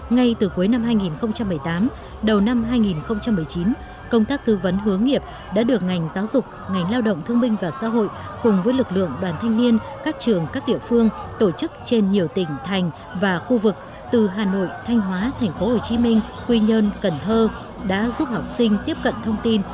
ngay từ cuối năm hai nghìn một mươi tám đầu năm hai nghìn một mươi chín công tác tư vấn hướng nghiệp đã được ngành giáo dục ngành lao động thương minh và xã hội cùng với lực lượng đoàn thanh niên các trường các địa phương tổ chức trên nhiều tỉnh thành và khu vực từ hà nội thanh hóa tp hcm quy nhơn cần thơ đã giúp học sinh tiếp cận thông tin